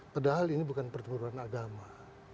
padahal ini bukan pertempuran agama